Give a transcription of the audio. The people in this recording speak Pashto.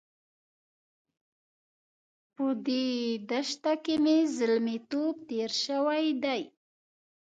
په دې دښته کې مې زلميتوب تېر شوی دی.